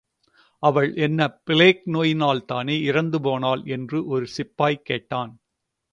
அவள் என்ன பிளேக் நோயினால்தானே இறந்துபோனாள்! என்று ஒரு சிப்பாய் கேட்டான்.